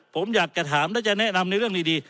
ผมอยากจะถามและจะแนะนำในเรื่องดี